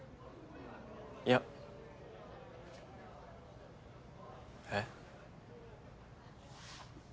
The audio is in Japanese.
いやえっ？